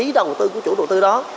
cái năng lực của chủ đầu tư đó